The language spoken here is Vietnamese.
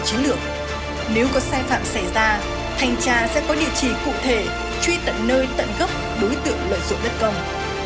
chiến lược nếu có sai phạm xảy ra thành tra sẽ có địa chỉ cụ thể truy tận nơi tận gốc đối tượng lợi dụng đất công